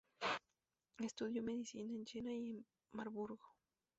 Estudió Medicina en Jena y en Marburgo.